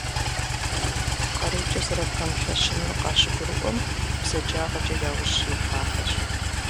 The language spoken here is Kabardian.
Къарукӏэ зэрыпэмылъэщынур къащыгурыӏуэм, бзаджагъэкӏэ яужь ихьахэщ.